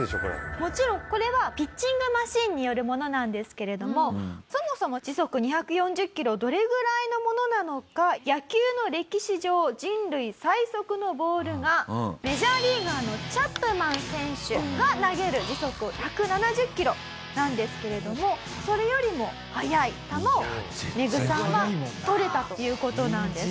もちろんこれはピッチングマシンによるものなんですけれどもそもそも時速２４０キロどれぐらいのものなのか野球の歴史上人類最速のボールがメジャーリーガーのチャップマン選手が投げる時速１７０キロなんですけれどもそれよりも速い球をメグさんは捕れたという事なんですね。